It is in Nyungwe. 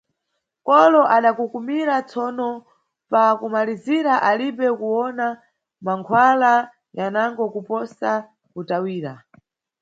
Kolo adakukumira, tsono pa kumalizira alibe kuwona mankhwala yanango kuposa kutawira.